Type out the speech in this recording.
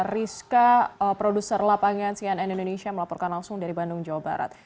rizka produser lapangan cnn indonesia melaporkan langsung dari bandung jawa barat